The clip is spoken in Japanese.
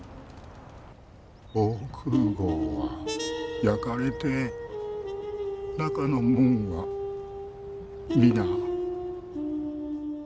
防空壕は焼かれて中の者は皆。